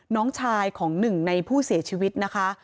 น้องชายของหนึ่งในผู้เสียชีวิตนะคะ